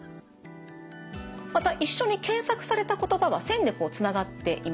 また一緒に検索された言葉は線でつながっています。